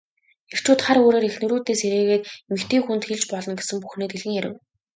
Эрчүүд хар үүрээр эхнэрүүдээ сэрээгээд эмэгтэй хүнд хэлж болно гэсэн бүхнээ дэлгэн ярив.